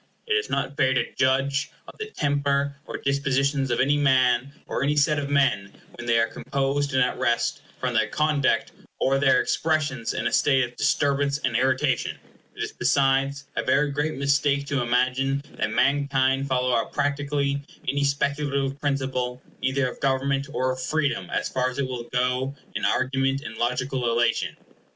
It is not fair to judge of the temper or dispositions of any man, or any set of men, when they are composed and at rest, from their conduct or their expressions in a state of disturbance and irritation. It is besides a very great mistake to imagine that mankind follow up practically any speculative principle, either of government or of freedom, as far as it will go in argument and logical illation.